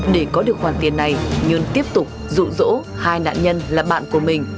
để có được khoản tiền này nhơn tiếp tục rụ rỗ hai nạn nhân là bạn của mình